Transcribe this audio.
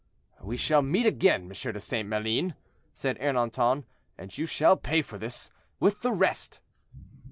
"We shall meet again, M. de St. Maline," said Ernanton, "and you shall pay for this, with the rest."